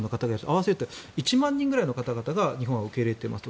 合わせると１万人ぐらいの方々を日本は受け入れていますと。